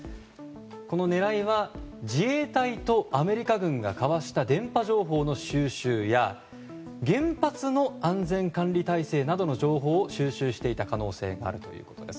この狙いは自衛隊とアメリカ軍が交わした電波情報の収集や原発の安全管理体制などの情報を収集していた可能性があるということです。